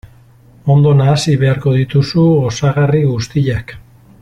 Ondo nahasi beharko dituzu osagarri guztiak.